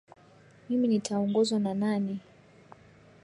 Mimi nitaongozwa na nani